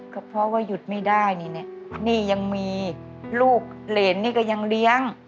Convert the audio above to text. ก็เพราะว่าหยุดไม่ได้นี่ยังมีลูกเหรนนี่ก็ยังเลี้ยง